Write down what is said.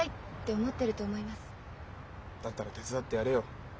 だったら手伝ってやれよ。